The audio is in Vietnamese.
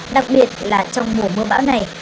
đặc biệt là trong mùa mưa bão này